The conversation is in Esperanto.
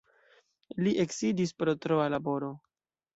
Li eksiĝis pro troa laboro.